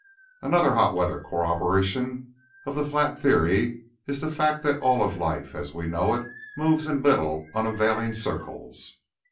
Another hot weather corroboration of the flat theory is the fact that all of life, as we know it, moves in little, unavailing circles.